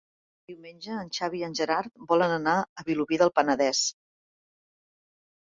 Diumenge en Xavi i en Gerard volen anar a Vilobí del Penedès.